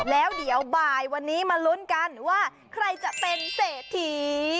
แล้วเดี๋ยวบ่ายวันนี้มาลุ้นกันว่าใครจะเป็นเศรษฐี